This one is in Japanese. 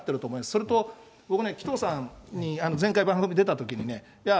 それと、僕ね、紀藤さんに前回、番組出たときに、いや、